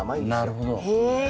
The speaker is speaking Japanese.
なるほど。